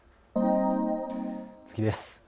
次です。